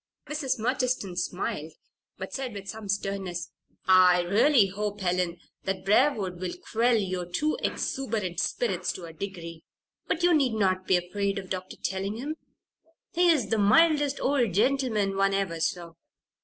Mrs. Murchiston smiled, but said with some sternness; "I really hope, Helen, that Briarwood will quell your too exuberant spirits to a degree. But you need not be afraid of Dr. Tellingham. He is the mildest old gentleman one ever saw.